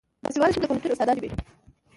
باسواده ښځې د پوهنتون استادانې دي.